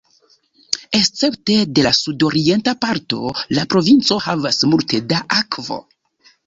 Escepte de la sudorienta parto, la provinco havas multe da akvo.